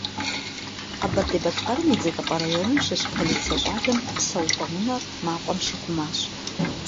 Къэбэрдей-Балъкъэрым и Дзэлыкъуэ районым щыщ полицэ щӏалэм псэупӀэ унэр мафӀэм щихъумащ.